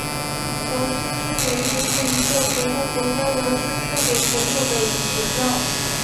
粮食自给率是一项评估国家粮食自给程度的指标。